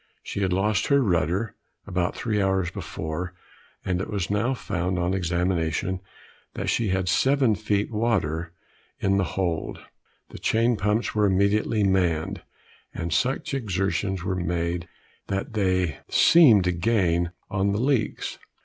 She had lost her rudder about three hours before, and it was now found, on examination, that she had seven feet water in the hold. The chain pumps were immediately manned, and such exertions were made that they seemed to gain on the leaks.